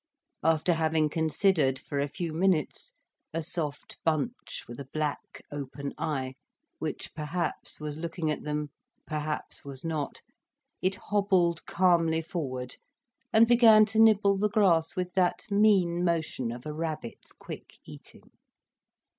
After having considered for a few minutes, a soft bunch with a black, open eye, which perhaps was looking at them, perhaps was not, it hobbled calmly forward and began to nibble the grass with that mean motion of a rabbit's quick eating.